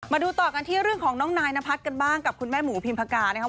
มาดูต่อกันที่เรื่องของน้องนายนพัฒน์กันบ้างกับคุณแม่หมูพิมพากานะครับ